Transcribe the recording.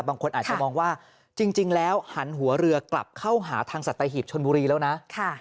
บางคนอาจจะมองว่าจริงแล้วหันหัวเรือกลับเข้าหาทางสัตหีบชนบุรีแล้วนะ